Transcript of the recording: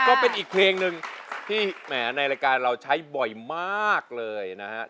ก็เป็นอีกเพลงหนึ่งที่แหมในรายการเราใช้บ่อยมากเลยนะครับ